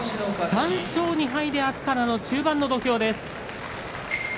３勝２敗で、あすからの中盤の土俵です。